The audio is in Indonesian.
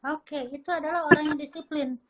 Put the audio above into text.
oke itu adalah orang yang disiplin